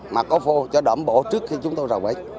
mà có phô cho đoạn bộ trước khi chúng tôi vào đấy